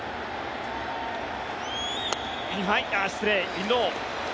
インロー。